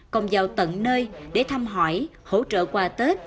còn vào tận nơi để thăm hỏi hỗ trợ quà tết